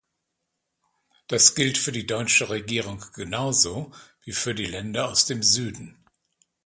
Das gilt für die deutsche Regierung genauso wie für die Länder aus dem Süden.